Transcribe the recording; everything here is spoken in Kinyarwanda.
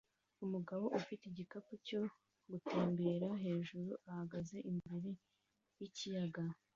Umugabo ufite igikapu cyo gutembera hejuru ahagaze imbere yikiyaga